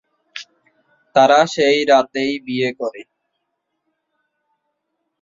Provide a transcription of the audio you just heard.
তারা সেই রাতেই বিয়ে করে।